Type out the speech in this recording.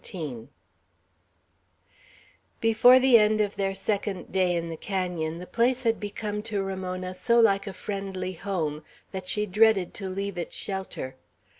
XVII BEFORE the end of their second day in the canon, the place had become to Ramona so like a friendly home, that she dreaded to leave its shelter.